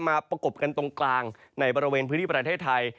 ประกบกันตรงกลางในบริเวณพื้นที่ประเทศไทย